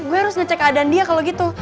gue harus ngecek keadaan dia kalau gitu